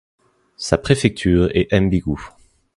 Sa préfecture est Mbigou.